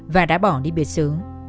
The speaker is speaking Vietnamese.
và đã bỏ đi biệt xứ